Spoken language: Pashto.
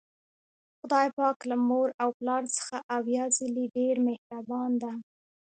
خدای پاک له مور او پلار څخه اویا ځلې ډیر مهربان ده